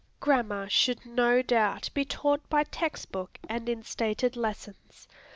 Grammar should no doubt be taught by text book and in stated lessons.